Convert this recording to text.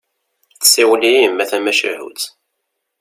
Tsawel-iyi yemma tamacahut.